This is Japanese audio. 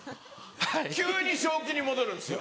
急に正気に戻るんですよ。